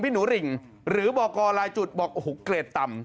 พิ้งหนูหริงหรือบอกรลายจุดแบบโอ้โหเกรดต่ำ